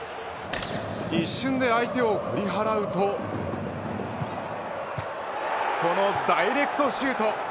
一瞬で相手を振り払うとこのダイレクトシュート。